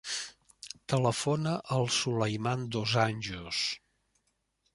Telefona al Sulaiman Dos Anjos.